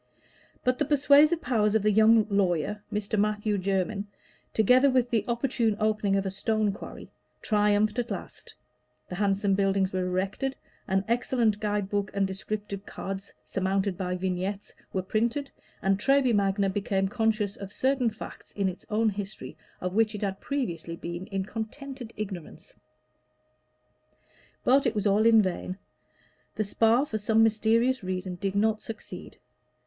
But the persuasive powers of the young lawyer, Mr. Matthew Jermyn, together with the opportune opening of a stone quarry, triumphed at last; the handsome buildings were erected, an excellent guide book and descriptive cards, surmounted by vignettes, were printed, and Treby Magna became conscious of certain facts in its own history of which it had previously been in contented ignorance. But it was all in vain. The Spa, for some mysterious reason, did not succeed.